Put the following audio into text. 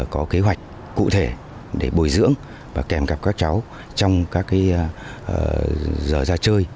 có kế hoạch cụ thể để bồi dưỡng và kèm cặp các cháu trong các giờ ra chơi